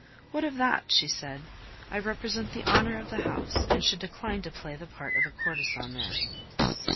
"What of that?" she said. "I represent the honor of the house, and should decline to play the part of a courtesan there."